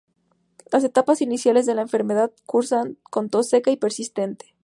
Las etapas iniciales de la enfermedad cursan con tos seca y persistente.